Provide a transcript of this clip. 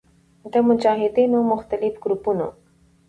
د مجاهدینو مختلف ګروپونو